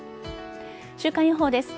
週間予報です。